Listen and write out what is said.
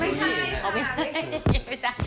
ไม่ใช่ค่ะ